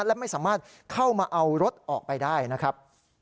และไม่สามารถเข้ามาเอารถออกไปได้นะครับ